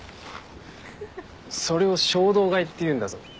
それを衝動買いっていうんだぞ。